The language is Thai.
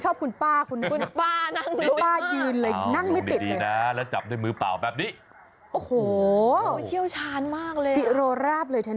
สีรวราบเลยทันทีนะจ๊ะ